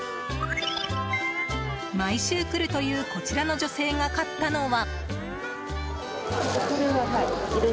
毎週来るというこちらの女性が買ったのは。